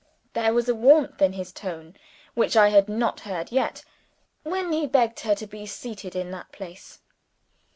There was a warmth in his tone which I had not heard yet, when he begged her to be seated in that place.